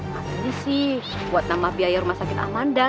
masih buat nambah biaya rumah sakit amanda